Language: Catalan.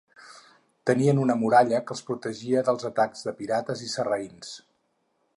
Tenien una muralla que els protegia dels atacs de pirates i sarraïns.